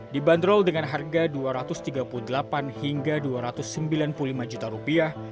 dibanderol dengan harga dua ratus tiga puluh delapan hingga dua ratus sembilan puluh lima juta rupiah